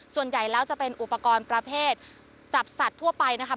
ส่วนใหญ่แล้วจะเป็นอุปกรณ์ประเภทจับสัตว์ทั่วไปนะครับ